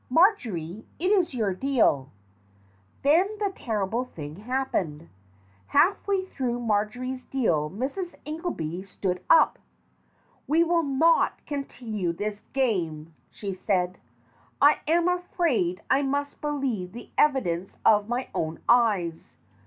Marjory, it is your deal." Then the terrible thing happened. Halfway through Marjory's deal Mrs. Ingelby stood up. "We will not continue this game," she said. "I am afraid I must believe the evidence of my own eyes.